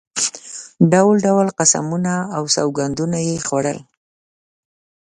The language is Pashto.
ډول ډول قسمونه او سوګندونه یې خوړل.